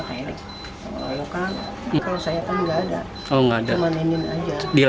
sebelum aillon datang kita benar benarnya merasa sudah tidur